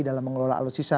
dalam mengelola alutsista